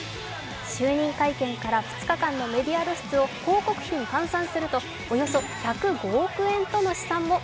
就任会見から２日間のメディア露出を広告費に換算するとおよそ１０５億円との資産も。